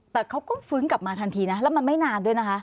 แต่เขาก็ฟื้นกลับมาทันทีนะแล้วมันไม่นานด้วยนะคะ